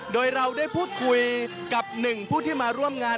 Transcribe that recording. โดยเราได้พูดคุยกับหนึ่งผู้ที่มาร่วมงาน